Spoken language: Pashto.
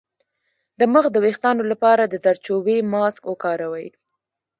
د مخ د ويښتانو لپاره د زردچوبې ماسک وکاروئ